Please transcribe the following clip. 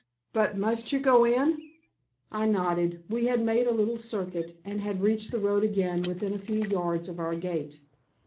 "But must you go in?" I nodded. We had made a little circuit, and had reached the road again within a few yards of our gate.